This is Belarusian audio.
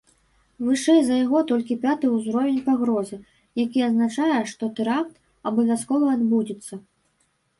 Вышэй за яго толькі пяты ўзровень пагрозы, які азначае, што тэракт абавязкова адбудзецца.